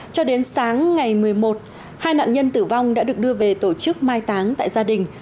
cho đến sáng ngày một mươi một hai nạn nhân tử vong đã được đưa về tổ chức mai táng tại gia đình